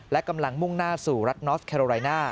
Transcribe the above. และกำลังมุ่งหน้าสู่รัฐนอสแคโรไรน่า